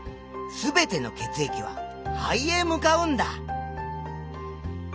全ての血液は肺へ向かうんだ。